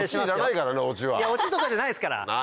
いやオチとかじゃないですから。